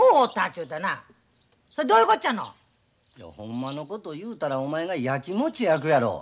それどういうこっちゃの！ほんまのこと言うたらお前がやきもち焼くやろ。